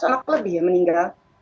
dua ratus anak lebih yang meninggal